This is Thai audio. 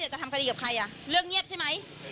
จะทำคดีกับใครเรื่องเงียบใช่ไหม